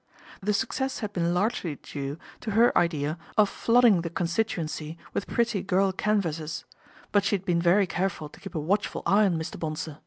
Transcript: The success had been largely due to her idea of flooding the constituency with pretty girl canvassers ; but she THE BONSOR TK1GGS* MENAGE 23 Aad been very careful to keep a watchful eye on Mr. Bonsor.